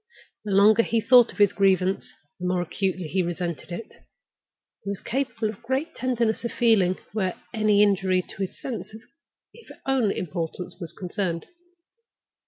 The longer he thought of his grievance, the more acutely he resented it. He was capable of great tenderness of feeling where any injury to his sense of his own importance was concerned.